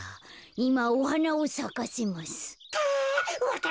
いまおはなをさかせます。か。